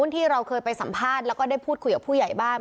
ที่เราเคยไปสัมภาษณ์แล้วก็ได้พูดคุยกับผู้ใหญ่บ้าน